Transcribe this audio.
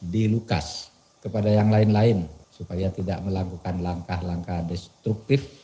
dilukas kepada yang lain lain supaya tidak melakukan langkah langkah destruktif